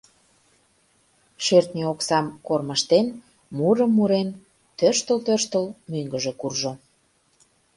Шӧртньӧ оксам кормыжтен, мурым мурен, тӧрштыл-тӧрштыл мӧҥгыжӧ куржо: